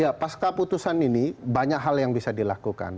ya pasca putusan ini banyak hal yang bisa dilakukan